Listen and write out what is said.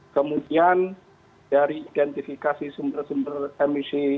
kemudian dari identifikasi sumber sumber emisi